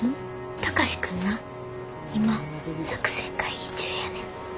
貴司君な今作戦会議中やねん。